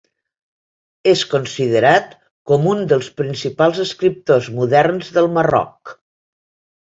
És considerat com un dels principals escriptors moderns del Marroc.